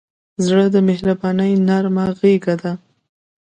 زړه د مهربانۍ نرمه غېږه ده.